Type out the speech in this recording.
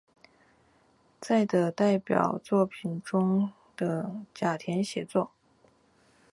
在的代理作品中的甲田写作。